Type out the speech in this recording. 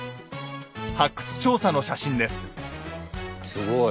すごい！